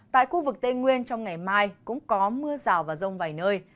tại khu vực tây nguyên trong ngày mai cũng có mưa rào và rông vài nơi